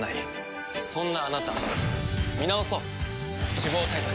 脂肪対策